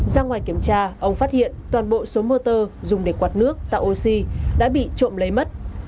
ra ngoài kiểm tra ông phát hiện toàn bộ số motor dùng để quạt nước tạo oxy đã bị trộm lấy mất